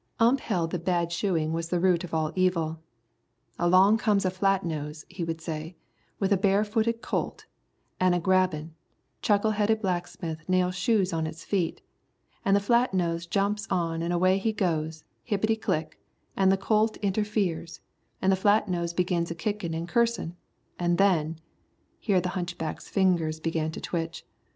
Ump held that bad shoeing was the root of all evil. "Along comes a flat nose," he would say, "with a barefooted colt, an' a gabbin', chuckle headed blacksmith nails shoes on its feet, an' the flat nose jumps on an' away he goes, hipety click, an' the colt interferes, an' the flat nose begins a kickin' an' a cursin', an' then " Here the hunchback's fingers began to twitch.